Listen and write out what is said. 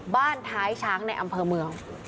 บ้านท้ายช้างในอำเภอเมือง